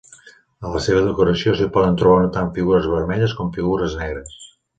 A la seva decoració s'hi poden trobar tant figures vermelles com figures negres.